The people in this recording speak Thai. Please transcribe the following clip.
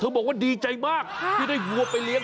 บอกว่าดีใจมากที่ได้วัวไปเลี้ย